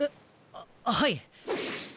あはい。